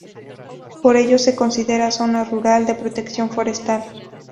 Por ello se considera zona rural de protección forestal.